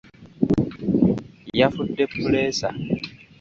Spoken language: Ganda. Yafudde puleesa.